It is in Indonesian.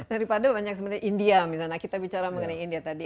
daripada banyak sebenarnya india misalnya kita bicara mengenai india tadi